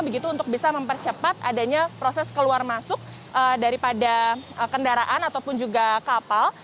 begitu untuk bisa mempercepat adanya proses keluar masuk daripada kendaraan ataupun juga kapal